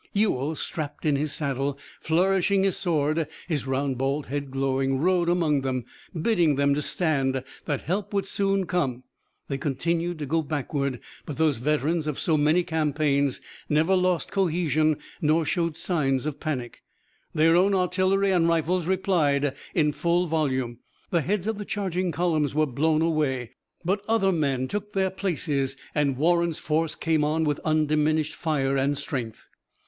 Ewell, strapped in his saddle, flourishing his sword, his round, bald head glowing, rode among them, bidding them to stand, that help would soon come. They continued to go backward, but those veterans of so many campaigns never lost cohesion nor showed sign of panic. Their own artillery and rifles replied in full volume. The heads of the charging columns were blown away, but other men took their places, and Warren's force came on with undiminished fire and strength.